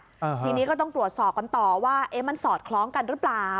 ทีนี้ก็ต้องตรวจสอบกันต่อว่าเอ๊ะมันสอดคล้องกันหรือเปล่า